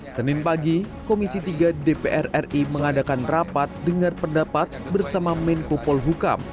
senin pagi komisi tiga dpr ri mengadakan rapat dengar pendapat bersama menko polhukam